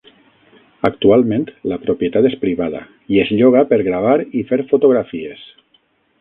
Actualment, la propietat és privada i es lloga per gravar i fer fotografies.